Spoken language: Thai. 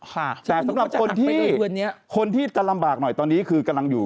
แต่สำหรับคนที่คนที่จะลำบากหน่อยตอนนี้คือกำลังอยู่